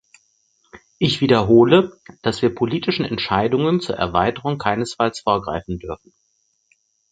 Ich wiederhole, dass wir politischen Entscheidungen zur Erweiterung keinesfalls vorgreifen dürfen.